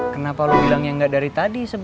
kenapa lo bilang yang gak dari tadi sebenernya